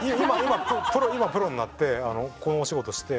今プロになってこのお仕事して。